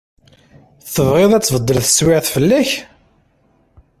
Tebɣiḍ ad tbeddel teswiɛt fell-ak?